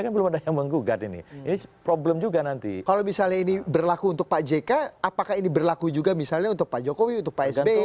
apakah ini berlaku untuk pak jk apakah ini berlaku juga misalnya untuk pak jokowi untuk pak sb